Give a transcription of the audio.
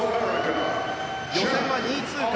予選２位通過。